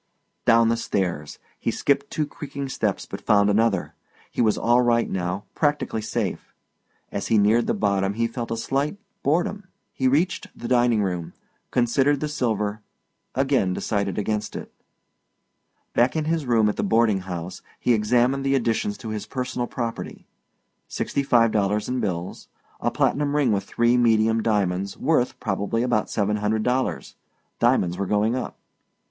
Down the stairs. He skipped two crumbing steps but found another. He was all right now, practically safe; as he neared the bottom he felt a slight boredom. He reached the dining room considered the silver again decided against it. Back in his room at the boarding house he examined the additions to his personal property: Sixty five dollars in bills. A platinum ring with three medium diamonds, worth, probably, about seven hundred dollars. Diamonds were going up.